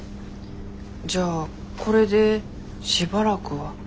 じゃあこれでしばらくは。